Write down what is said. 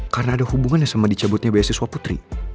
karena ada hubungannya sama dicabutnya biasiswa putri